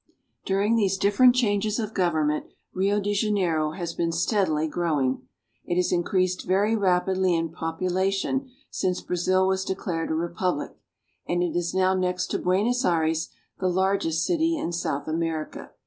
During these different changes of government Rio de Janeiro has been steadily growing. It has increased very rapidly in population since Brazil was declared a re public, and it is now next to Buenos Aires the larg est city in South America.